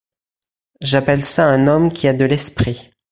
J’appelle ça un homme qui a de l’esprit.